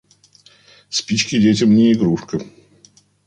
Спички детям не игрушка.